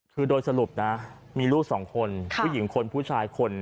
คือโดยสรุปนะมีลูกสองคนผู้หญิงคนผู้ชายคน